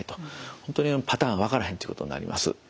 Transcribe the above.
本当にパターン分からへんということになります。